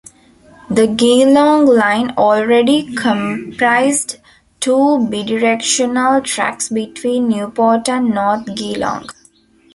The Geelong line already comprised two bidirectional tracks between Newport and North Geelong.